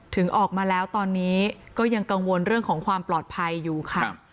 ออกมาแล้วตอนนี้ก็ยังกังวลเรื่องของความปลอดภัยอยู่ค่ะ